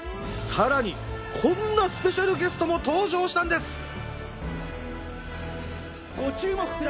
さらにこんなスペシャルゲストも登場したんです。